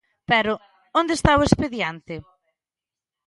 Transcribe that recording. Pero ¿onde está o expediente?